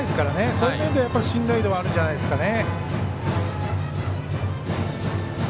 そういう面では信頼度はあるんじゃないですかね。